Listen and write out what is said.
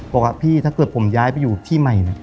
บอกว่าพี่ถ้าเกิดผมย้ายไปอยู่ที่ใหม่นะ